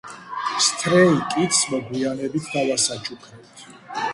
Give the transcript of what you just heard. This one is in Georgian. სთრეი კიდს მოგვიანებით დავასაჩუქრებთ